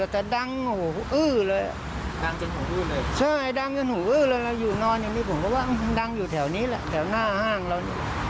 ใช่ดังจนหูอื้อเลยอยู่นอนอย่างนี้ผมก็ว่าดังอยู่แถวนี้แหละแถวหน้าห้างเรา